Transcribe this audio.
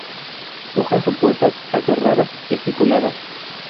Hojas opuestas, aserradas, estipuladas.